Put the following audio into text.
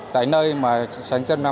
tại nơi mà sản xuất ra